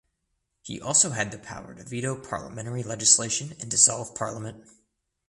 He also had the power to veto parliamentary legislation and dissolve Parliament.